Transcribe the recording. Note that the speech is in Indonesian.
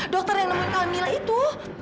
dokter yang nemuin kamila itu